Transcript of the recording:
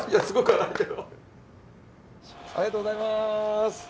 ありがとうございます。